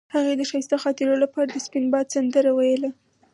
هغې د ښایسته خاطرو لپاره د سپین باد سندره ویله.